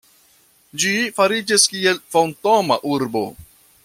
Ĝi fariĝis kiel fantoma urbo.